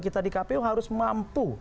kita di kpu harus mampu